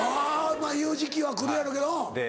まぁ言う時期はくるやろうけどうん。